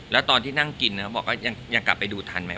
แล้วตอนที่นั่งกินเขาบอกว่ายังกลับไปดูทันไหม